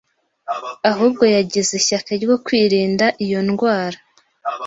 ahubwo yagize ishyaka ryo kwirinda iyo ndwara.